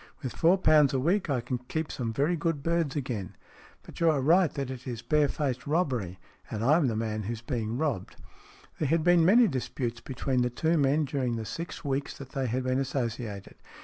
With four pounds a week I can keep some very good birds again. But you are right that it is bare faced robbery, and I am the man who is being robbed." There had been many disputes between the two men during the six weeks that they had been associated.